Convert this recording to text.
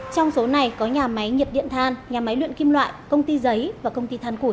trong số này có nhà máy nhiệt điện than nhà máy luyện kim loại công ty giấy và công ty than củi